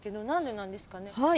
何でなんですかね？